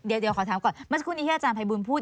เดี๋ยวขอถามก่อนเมื่อสักครู่นี้ที่อาจารย์ภัยบูลพูด